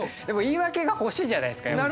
でも言い訳が欲しいじゃないですか。